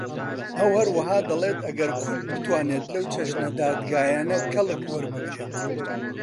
ئەو هەروەها دەڵێت ئەگەر کورد بتوانێت لەو چەشنە دادگایانە کەڵک وەربگرێت